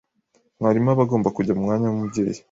mwarimu aba agomba kujya mumwanya wumubyeyi